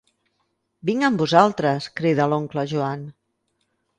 Vinc amb vosaltres, crida l'oncle Joan.